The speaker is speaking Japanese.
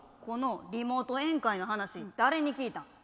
このリモート宴会の話誰に聞いた？